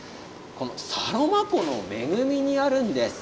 サロマ湖の恵みにあるんです。